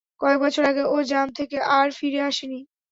কয়েকবছর আগে, ও জাম্প থেকে আর ফিরে আসেনি।